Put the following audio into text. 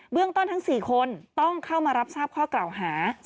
เรื่องต้นทั้ง๔คนต้องเข้ามารับทราบข้อกล่าวหา